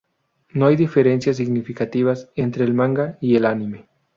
No hay diferencias significativas entre el manga y el anime.